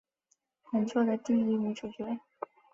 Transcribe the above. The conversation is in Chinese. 本作的第一女主角。